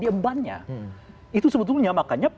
diembannya itu sebetulnya